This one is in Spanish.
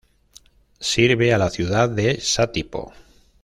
Sirve a la ciudad de Satipo.